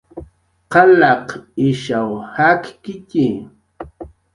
Qalaq ishaw jakkitxi